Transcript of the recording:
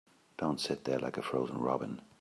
Don't sit there like a frozen robin.